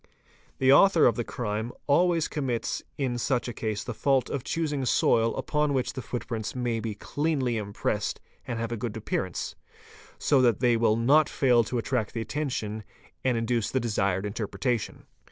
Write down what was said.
The author of the crime always commits in such a case the fault of choosing soil upon which the footprints may be cleanly impressed and have a good appearance, so that they will not fail to attract the attention and induce the desired interpretation.